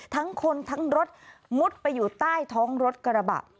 ทั้งคนทั้งรถมุดไปอยู่ใต้ท้องรถกระบะ